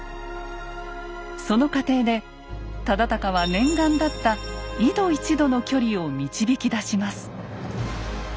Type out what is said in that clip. その過程で忠敬は念願だった「緯度１度の距離」を導き出します。